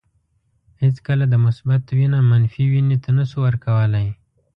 هیڅکله د مثبت وینه منفي وینې ته نشو ورکولای.